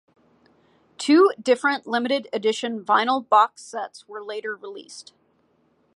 Two different Limited Edition Vinyl Box sets were later released.